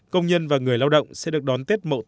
công nhân và người lao động sẽ được đón tết mỗi năm